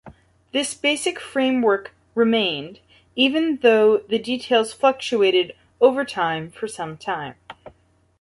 This basic framework remained, even though the details fluctuated over time, for some time.